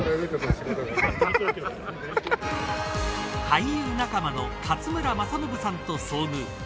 俳優仲間の勝村政信さんと遭遇。